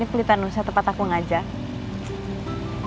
pelitan usah tempat aku ngajak